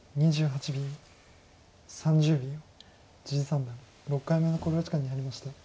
三段６回目の考慮時間に入りました。